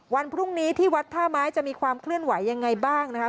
วันพรุ่งนี้ที่วัดท่าไม้จะมีความเคลื่อนไหวยังไงบ้างนะคะ